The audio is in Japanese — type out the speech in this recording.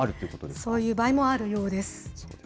そういう場合もあるようです。